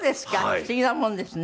不思議なもんですね。